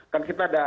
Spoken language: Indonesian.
kan kita ada